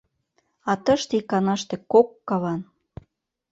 А тыште иканаште кок каван!